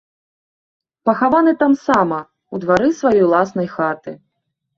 Пахаваны тамсама, у двары сваёй уласнай хаты.